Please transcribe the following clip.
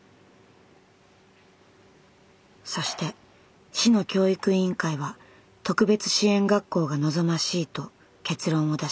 そして市の教育委員会は「特別支援学校が望ましい」と結論を出しました。